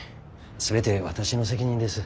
全て私の責任です。